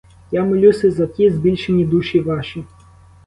Я молюся за ті збільшені душі ваші.